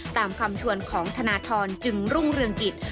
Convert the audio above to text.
ตามคำชวนของธนทรจึงรุ่งเรืองกิจ